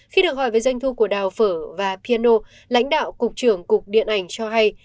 khi được hỏi về doanh thu của đào phở và piano lãnh đạo cục trưởng cục điện ảnh cho hay